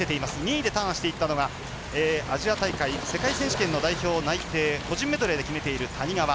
２位でターンしたのがアジア大会世界選手権の代表内定個人メドレーで決めている谷川。